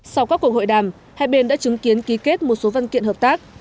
sau các cuộc hội đàm hai bên đã chứng kiến ký kết một số văn kiện hợp tác